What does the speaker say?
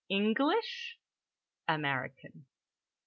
"English?" "American."